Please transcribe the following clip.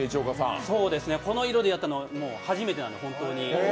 この色でやったのは初めてなので、本当に。